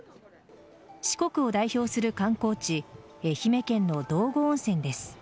四国を代表する観光地愛媛県の道後温泉です。